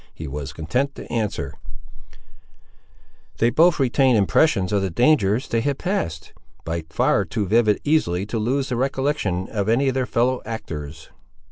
He was content to answer— "They both retained impressions of the dangers they had passed, by far too vivid easily to lose the recollection of any of their fellow actors."